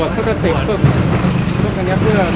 และที่เราต้องใช้เวลาในการปฏิบัติหน้าที่ระยะเวลาหนึ่งนะครับ